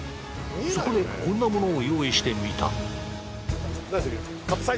そこでこんなものを用意してみた何でしたっけ